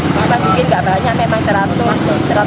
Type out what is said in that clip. mungkin gak banyak memang seratus satu ratus lima puluh